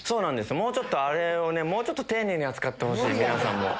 もうちょっとあれをね、もうちょっと丁寧に扱ってほしい、皆さんも。